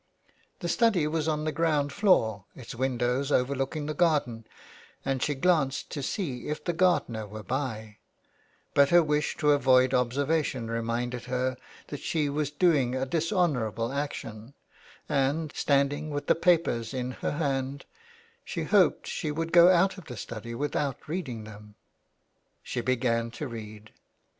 The study was on the ground floor, its windows overlooking the garden, and she glanced to see if the gardener were by, but her wish to avoid observation reminded her that she was doing a dishonourable action, and, standing with the papers in her hand, she hoped she would go out of the study without reading them. She began to read.